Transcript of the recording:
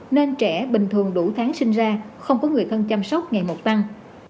nên trẻ bình thường đủ tháng sinh ra không có người thân chăm sóc ngày một tăng